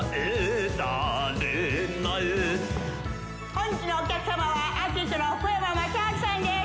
本日のお客様はアーティストの福山雅治さんです